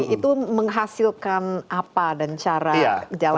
itu menghasilkan apa dan cara jalannya